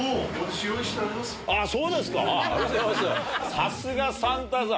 さすがサンタさん！